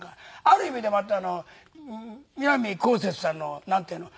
ある意味でまた南こうせつさんのなんていうの。